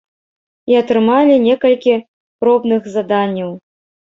І атрымалі некалькі пробных заданняў.